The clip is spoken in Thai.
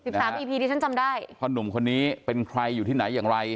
สามอีพีที่ฉันจำได้พ่อหนุ่มคนนี้เป็นใครอยู่ที่ไหนอย่างไร